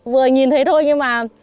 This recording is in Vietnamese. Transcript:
vừa nhìn thấy thôi nhưng mà